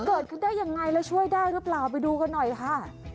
เกิดขึ้นได้ยังไงแล้วช่วยได้หรือเปล่าไปดูกันหน่อยค่ะ